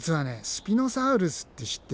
スピノサウルスって知ってる？